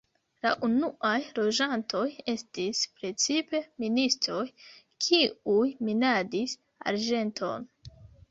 La unuaj loĝantoj estis precipe ministoj, kiuj minadis arĝenton.